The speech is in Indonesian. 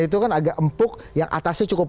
itu kan agak empuk yang atasnya cukup